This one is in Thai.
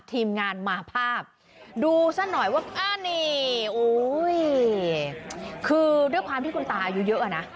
ทีมงานมาภาพดูซะหน่อยว่าอ่านี่อุ้ยคือด้วยความที่คุณตาอายุเยอะอ่ะนะ